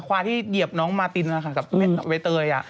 ควายที่เหยียบน้องมาตินกับเวตเตย